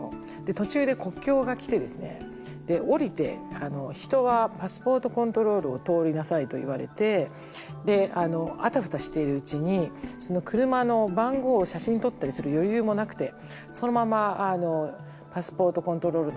途中で国境が来てですね降りて人はパスポートコントロールを通りなさいと言われてあたふたしているうちにその車の番号を写真撮ったりする余裕もなくてそのままパスポートコントロールのほうに行っちゃったんですね。